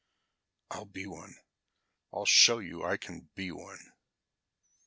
"I'll be one. I'll show you I can be one!"